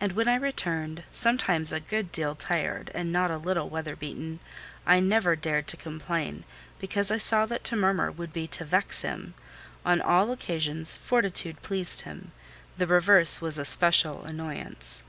And when I returned, sometimes a good deal tired, and not a little weather beaten, I never dared complain, because I saw that to murmur would be to vex him: on all occasions fortitude pleased him; the reverse was a special annoyance.